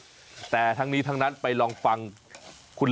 เอาล่ะเดินทางมาถึงในช่วงไฮไลท์ของตลอดกินในวันนี้แล้วนะครับ